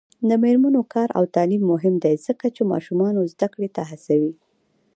د میرمنو کار او تعلیم مهم دی ځکه چې ماشومانو زدکړې ته هڅوي.